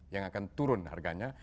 yang akan turun harganya